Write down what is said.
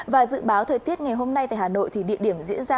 và dự báo thời tiết ngày hôm nay tại hà nội thì địa điểm diễn ra